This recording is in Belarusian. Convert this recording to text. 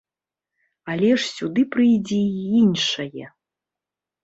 Але ж сюды прыйдзе і іншае.